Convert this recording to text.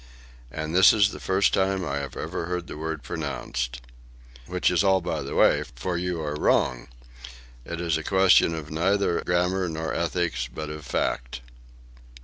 And this is the first time I have ever heard the word pronounced. Which is all by the way, for you are wrong. It is a question neither of grammar nor ethics, but of fact."